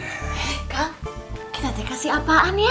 hei kak kita dikasih apaan ya